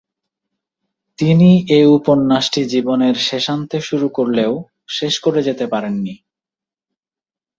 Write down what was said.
তিনি এ উপন্যাসটি জীবনের শেষান্তে শুরু করলেও শেষ করে যেতে পারেননি।